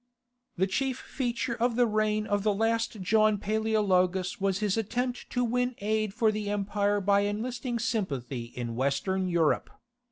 The chief feature of the reign of the last John Paleologus was his attempt to win aid for the empire by enlisting sympathy in Western Europe.